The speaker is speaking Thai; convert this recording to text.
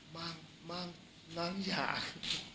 มั่งมั่งน้ำหยาก